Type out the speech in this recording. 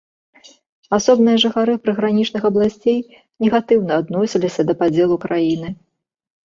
Асобныя жыхары прыгранічных абласцей негатыўна адносіліся да падзелу краіны.